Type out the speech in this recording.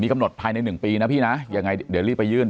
กำหนดภายใน๑ปีนะพี่นะยังไงเดี๋ยวรีบไปยื่น